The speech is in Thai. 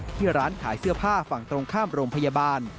ที่ร้านขายเสื้อผ้าฝั่งตรงข้ามโรงพยาบาล